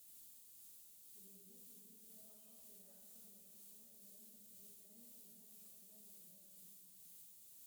Il existe différents championnats comme le championnat Maine-Bretagne ou bien le championnat de Normandie.